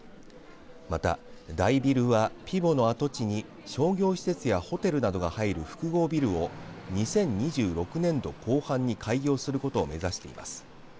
またダイビルはピヴォの跡地に商業施設やホテルなどが入る複合ビルを２０２６年度後半に開業することを目指しています。